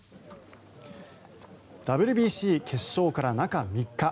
ＷＢＣ決勝から中３日。